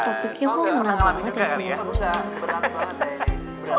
topiknya kok menambah banget ya semua